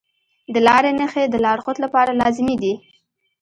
د لارې نښې د لارښود لپاره لازمي دي.